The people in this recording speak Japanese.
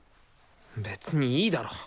別にいいだろ。